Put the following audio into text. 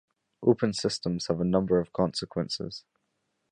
Open systems have a number of consequences.